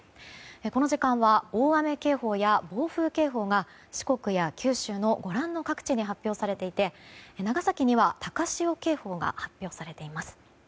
この時間は大雨警報や暴風警報が四国や九州のご覧の各地に発表されていて長崎には高潮警報が発表されています。